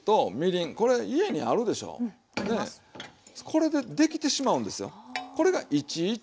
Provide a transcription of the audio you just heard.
これでできてしまうんですよ。